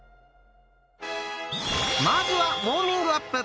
まずはウオーミングアップ！